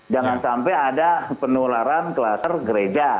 jangan sampai ada penularan klaster gereja